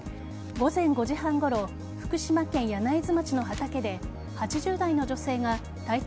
午前５時半ごろ福島県柳津町の畑で８０代の女性が体長